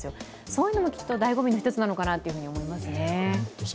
そういうのもきっと醍醐味の１つなのかなと思いますね。